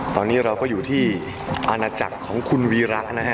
ตอนนี้เราก็อยู่ที่อาณาจักรของคุณวีระนะฮะ